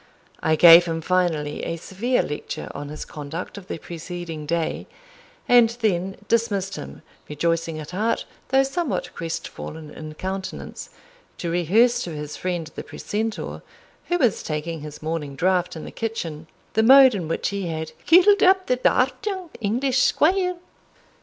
I gave him finally a severe lecture on his conduct of the preceding day, and then dismissed him rejoicing at heart, though somewhat crestfallen in countenance, to rehearse to his friend the precentor, who was taking his morning draught in the kitchen, the mode in which he had "cuitled up the daft young English squire."